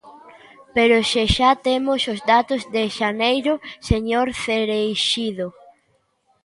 ¡Pero se xa temos os datos de xaneiro, señor Cereixido!